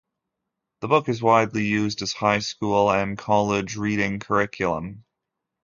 The book is widely used as high school and college reading curriculum.